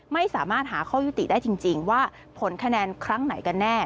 ไม่สามารถหาข้อยุติได้จริงว่าผลคะแนนครั้งไหนกันแน่